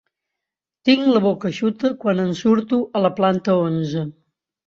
Tinc la boca eixuta quan en surto, a la planta onze.